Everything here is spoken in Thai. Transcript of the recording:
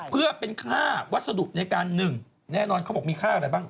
เพื่อเป็นค่าวัสดุแน่นอนเขาบอกมีค่าอะไรบ้าง